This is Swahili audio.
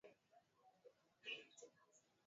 Inaweza kusema kuwa haina kweli delta yenyewe